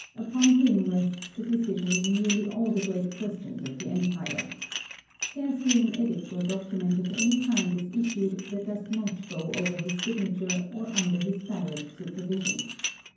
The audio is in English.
Upon him rests the decision in nearly all the great questions of the empire. Scarcely an edict or document of any kind is issued that does not go over his signature or under his direct supervision.